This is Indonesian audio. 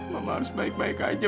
mama harus baik baik aja